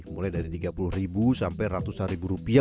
mulai dari tiga puluh sampai seratus rupiah